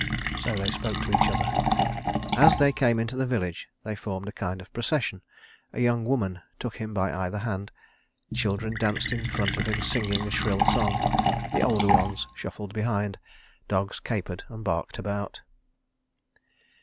So they spoke to each other. As they came into the village they formed a kind of procession. A young woman took him by either hand; children danced in front of him singing a shrill song; the older ones shuffled behind. Dogs capered and barked about.